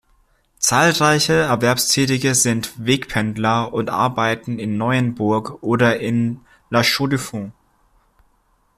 Zahlreiche Erwerbstätige sind Wegpendler und arbeiten in Neuenburg oder in La Chaux-de-Fonds.